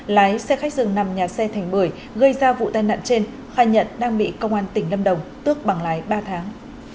lái xe khách dừng nằm nhà xe thành bưởi gây ra vụ tai nạn trên khai nhận đang bị công an tỉnh lâm đồng tước bằng lái ba tháng